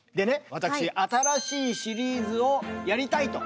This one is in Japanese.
私新しいシリーズをやりたいと。